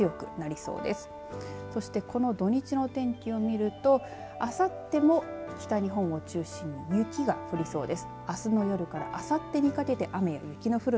そして、この土日のお天気を見るとあさっても北日本を中心に雪が降りそうです。